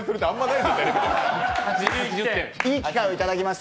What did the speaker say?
いい機会をいただきました。